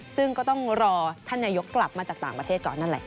ซึ่งก็ต้องรอท่านนายกกลับมาจากต่างประเทศก่อนนั่นแหละ